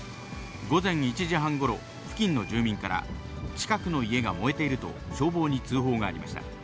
午前１時半ごろ、付近の住民から近くの家が燃えていると、消防に通報がありました。